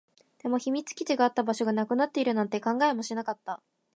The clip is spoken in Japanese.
でも、秘密基地があった場所がなくなっているなんて考えもしなかった